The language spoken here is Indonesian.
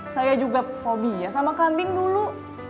saya juga fobia sama kambing dulu